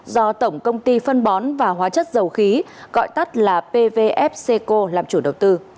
do tổng công ty phân bón và hóa chất dầu khí gọi tắt là pvfc làm chủ đầu tư